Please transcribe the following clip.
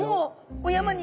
お山に？